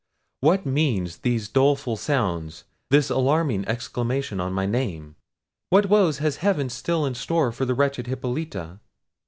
What mean these doleful sounds, this alarming exclamation on my name? What woes has heaven still in store for the wretched Hippolita?